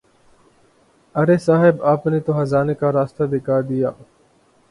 ارے صاحب آپ نے تو خزانے کا راستہ دکھا دیا۔